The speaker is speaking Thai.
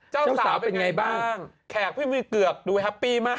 เจ้าสาวเป็นไงบ้างแขกไม่มีเกือบดูแฮปปี้มาก